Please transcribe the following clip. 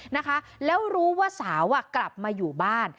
นะคะแล้วรู้ว่าสาวกลับมาอยู่บ้าน